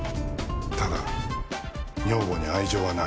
ただ女房に愛情はない。